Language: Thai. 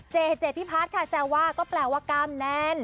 เจเจพิพัฒน์ค่ะแซวว่าก็แปลว่ากล้ามแน่น